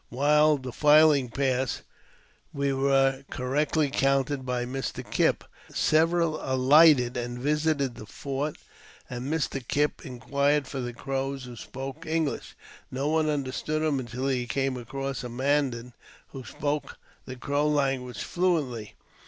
While defiling past, we were correctly counted by Mr. Kipp. Several alighted and visited the fort, and Mr. Kipp inquired^ for the Crow who spoke English. No one understood him until he came across a Mandan who spoke the Crow language fluently.